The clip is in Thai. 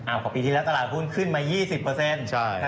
อ้าวปีที่แล้วตลาดคุณขึ้นมา๒๐นะครับ